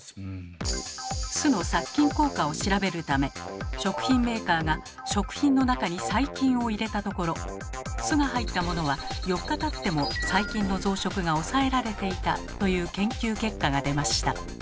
酢の殺菌効果を調べるため食品メーカーが食品の中に細菌を入れたところ酢が入ったものは４日たっても細菌の増殖が抑えられていたという研究結果が出ました。